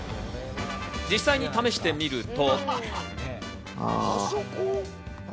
実際に試してみると。